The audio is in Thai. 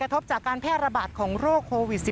บริเวณหน้าสารพระการอำเภอเมืองจังหวัดลบบุรี